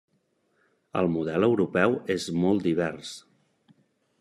El model europeu és molt divers.